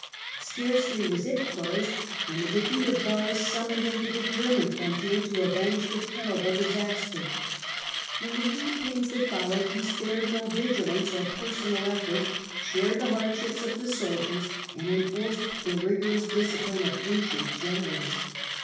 Scarcely was it closed when the defeat of Varus summoned him to the German frontier to avenge the terrible disaster. In the campaigns that followed he A.D. 14 37 46 Tfte Earlier Empire. spared no vigilance or personal effort, shared the hard ships of the soldiers, and enforced the rigorous discipline of ancient generals.